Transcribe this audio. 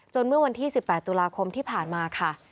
เมื่อวันที่๑๘ตุลาคมที่ผ่านมาค่ะ